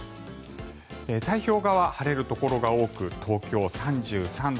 太平洋側、晴れるところが多く東京、３３度。